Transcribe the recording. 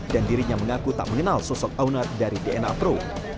dan dirinya mengaku tak mengenal sosok owner dari dna pro